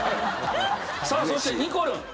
さあそしてにこるん。